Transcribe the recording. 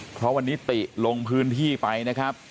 เพราะวันนี้ติลงพื้นที่ไปนะครับ